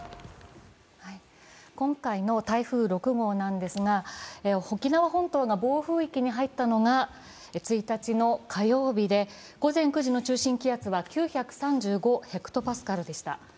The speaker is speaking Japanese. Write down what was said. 今回の台風６号なんですが、沖縄本島が暴風域に入ったのが１日の火曜日で、午前９時の中心気圧は９３５ｈＰａでした。